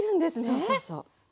そうそうそう。